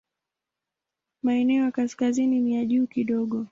Maeneo ya kaskazini ni ya juu kidogo.